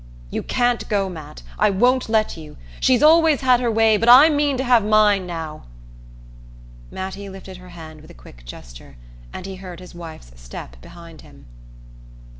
"You can't go, Matt! I won't let you! She's always had her way, but I mean to have mine now " Mattie lifted her hand with a quick gesture, and he heard his wife's step behind him.